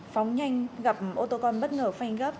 phóng nhanh gặp ô tô con bất ngờ phanh gấp